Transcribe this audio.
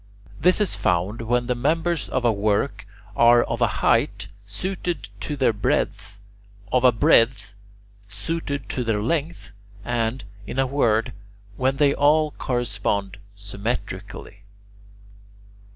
This is found when the members of a work are of a height suited to their breadth, of a breadth suited to their length, and, in a word, when they all correspond symmetrically.